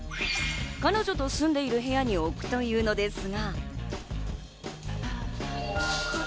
彼女と住んでいる部屋に置くというのですが。